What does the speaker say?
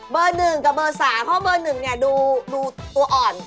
เบอร์หนึ่งกับเบอร์สามเพราะว่าเบอร์หนึ่งดูตัวอ่อน